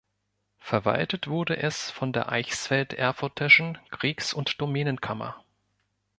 Verwaltet wurde es von der Eichsfeld-Erfurtischen Kriegs- und Domänenkammer.